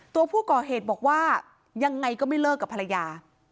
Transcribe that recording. ตัวผู้ก่อเหตุบอกว่ายังไงก็ไม่เลิกกับภรรยา